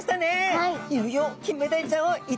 はい。